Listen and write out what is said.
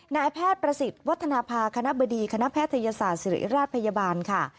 นายแพทย์ประสิทธิ์วัฒนภาคณะบดีคณะแพทยศาสตร์ศิริราชพยาบาลค่ะ